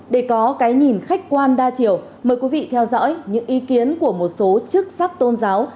để có cái nhìn khách quan đa chiều mời quý vị theo dõi những ý kiến của một số chức sắc tôn giáo